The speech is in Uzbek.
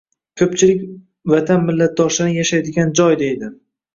Ko‘pchilik Vatan millatdoshlaring yashaydigan joy, deydi…